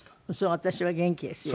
私は元気ですよ。